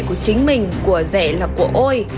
của chính mình của rẻ là của ôi